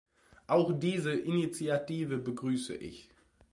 Auch diese Initiative begrüße ich.